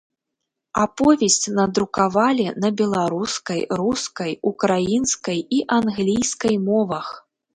Аповесць надрукавалі на беларускай, рускай, украінскай і англійскай мовах.